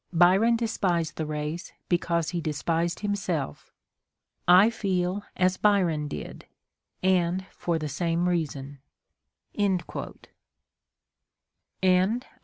Byron despised the race because hey despised himself. I feel as Byron did and for the same' reason," A strange enigma